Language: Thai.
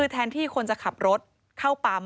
แทนที่คนจะขับรถเข้าปั๊ม